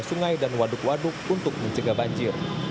sungai dan waduk waduk untuk mencegah banjir